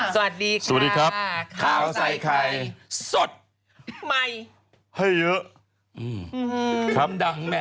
สวัสดีค่ะสวัสดีครับข้าวใส่ไข่สดใหม่ให้เยอะอืมคำดังแม่